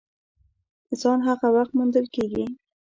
ځان هغه وخت موندل کېږي !